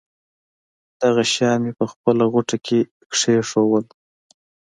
دغه شیان مې په خپله غوټه کې کېښودل.